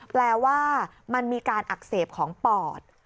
แปลว่ามันมีการอักเสบของปอด